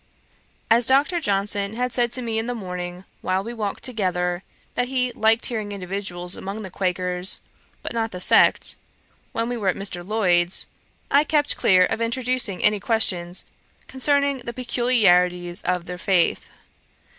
As Dr. Johnson had said to me in the morning, while we walked together, that he liked individuals among the Quakers, but not the sect; when we were at Mr. Lloyd's, I kept clear of introducing any questions concerning the peculiarities of their faith.